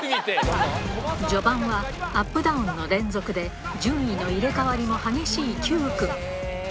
序盤はアップダウンの連続で、順位の入れ替わりも激しい９区。